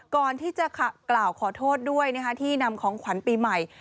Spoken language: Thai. ก่อนที่จะกล่าวขอโทษด้วยที่นำของขวัญปีใหม่